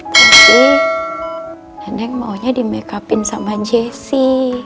nanti nenek maunya di make up in sama jessy